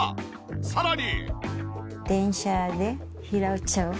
さらに！